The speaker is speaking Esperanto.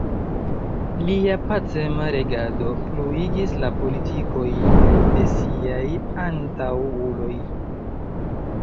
Lia pacema regado pluigis la politikojn de siaj antaŭuloj.